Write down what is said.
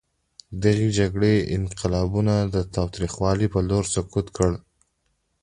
دغې جګړې انقلابیون د تاوتریخوالي په لور سوق کړل.